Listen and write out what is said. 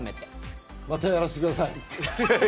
またやらせてください。